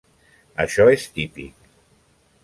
Això és típic.